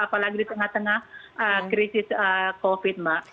apalagi di tengah tengah krisis covid mbak